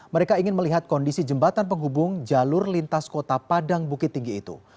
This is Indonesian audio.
mereka ingin melihat kondisi jembatan penghubung jalur lintas kota padang bukit tinggi itu